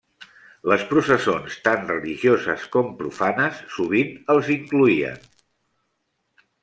Les processons, tant religioses com profanes, sovint els incloïen.